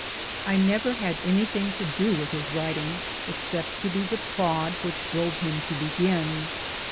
I never had anything to do with his writing, except to be the prod which drove him to begin.